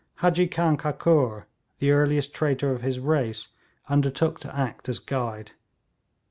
Hadji Khan Kakur, the earliest traitor of his race, undertook to act as guide.